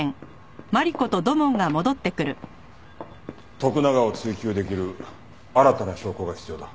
徳永を追及できる新たな証拠が必要だ。